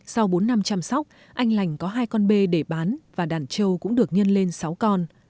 sau bốn năm chăm sóc anh lành có hai con bê để bán và đàn trâu cũng được nhân lên sáu con